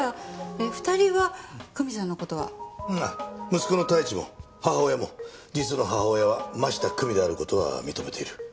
息子の太一も母親も実の母親は真下久美である事は認めている。